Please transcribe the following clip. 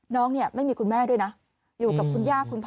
น้องเนี่ยไม่มีคุณแม่ด้วยนะอยู่กับคุณย่าคุณพ่อ